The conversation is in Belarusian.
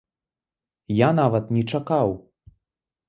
Я нават не чакаў!